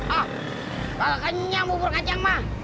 ah gak kenyang bubur kacang mak